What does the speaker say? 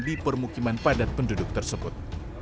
di permukiman padat penduduk tersebut